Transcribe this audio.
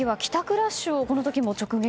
ラッシュをこの時も直撃。